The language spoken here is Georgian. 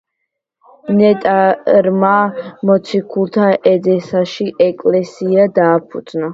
ნეტარმა მოციქულმა ედესაში ეკლესია დააფუძნა.